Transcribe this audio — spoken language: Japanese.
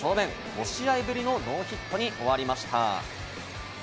５試合ぶりのノーヒットに終わりました。